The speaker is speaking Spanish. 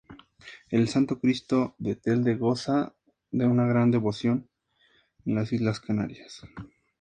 El Santo Cristo de Telde goza de una gran devoción en las Islas Canarias.